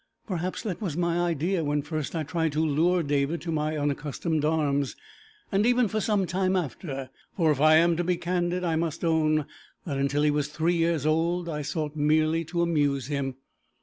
Perhaps that was my idea when first I tried to lure David to my unaccustomed arms, and even for some time after, for if I am to be candid, I must own that until he was three years old I sought merely to amuse him.